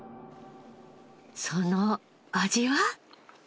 その味は？